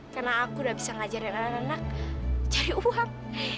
karena aku udah bisa ngajarin anak anak cari uang